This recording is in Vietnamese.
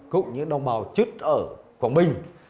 cũng như đồng bào chất ở quảng bình